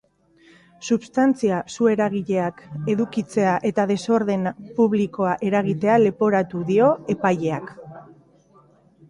Substantzia su-eragileak edukitzea eta desordena publikoa eragitea leporatu dio epaileak.